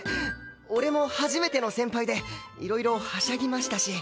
俺も初めての先輩でいろいろはしゃぎましたし。